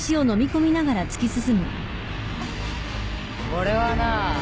俺はなあ